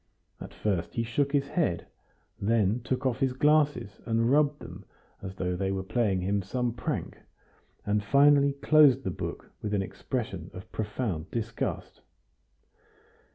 At first he shook his head, then took off his glasses and rubbed them as though they were playing him some prank, and finally closed the book with an expression of profound disgust.